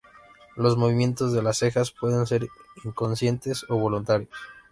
Los movimientos de las cejas pueden ser inconscientes o voluntarios.